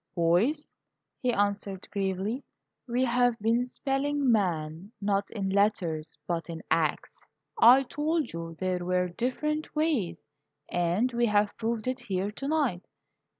"Boys," he answered, gravely, "we've been spelling 'man,' not in letters, but in acts. I told you there were different ways, and we have proved it here tonight.